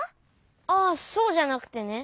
あっそうじゃなくてね。